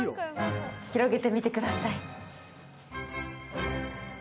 広げてみてください。